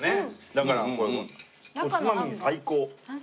だからおつまみに最高。